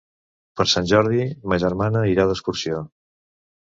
Per Sant Jordi ma germana irà d'excursió.